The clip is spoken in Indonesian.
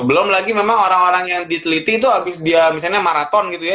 belum lagi memang orang orang yang diteliti itu abis dia misalnya maraton gitu ya